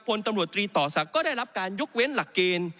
พลตำรวจตรีต่อศักดิ์ก็ได้รับการยกเว้นหลักเกณฑ์